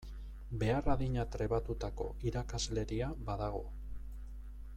Behar adina trebatutako irakasleria badago.